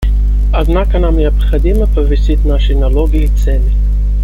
Однако нам необходимо повысить наши налоги и цены.